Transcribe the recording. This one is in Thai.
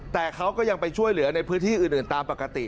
แต่เขาก็ยังไปช่วยเหลือในพื้นที่อื่นตามปกติ